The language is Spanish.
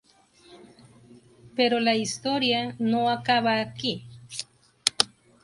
Pero la historia no acaba aquí.